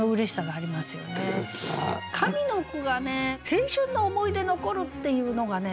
上の句がね「青春の思い出残る」っていうのがね